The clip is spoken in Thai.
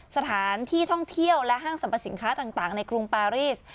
สถานที่ท่องเที่ยวและห้างสรรพสินค้าต่างในกรุงปารีส